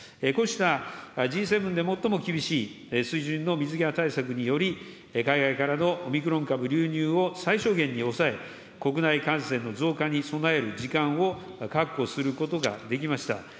こうしたＧ７で最も厳しい水準の水際対策により、海外からのオミクロン株流入を最小限に抑え、国内感染の増加に備える時間を確保することができました。